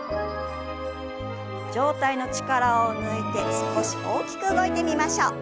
上体の力を抜いて少し大きく動いてみましょう。